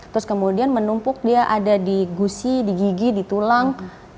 terus kemudian menumpuk dia ada di gusi di gigi di tulang